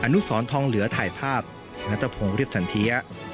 นุสรทองเหลือถ่ายภาพณตะพงศ์เรียบสันเทีย